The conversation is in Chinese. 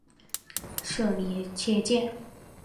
社企界